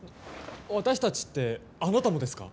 私たちって、あなたもですか？